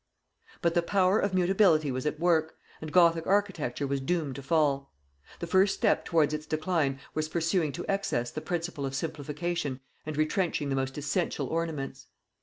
But the power of mutability was at work, and Gothic architecture was doomed to fall. The first step towards its decline was pursuing to excess the principle of simplification and retrenching the most essential ornaments.